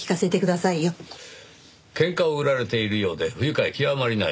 喧嘩を売られているようで不愉快極まりない。